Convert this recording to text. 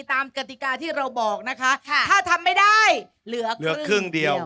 กติกาที่เราบอกนะคะถ้าทำไม่ได้เหลือครึ่งเดียว